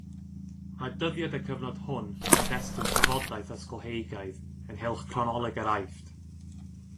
Mae dyddiad y cyfnod hwn yn destun trafodaeth ysgolheigaidd ynghylch cronoleg yr Aifft.